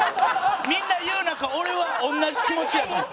みんな言う中俺は同じ気持ちやと思う。